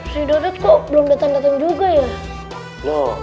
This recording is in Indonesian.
si dodot kok belum datang datang juga ya